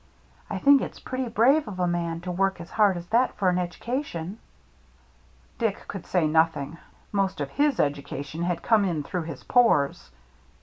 I think it's pretty brave of a man to work as hard as that for an education." Dick could say nothing. Most of his educa tion had come in through his pores.